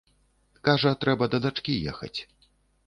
Кажа, трэба да дачкі ехаць.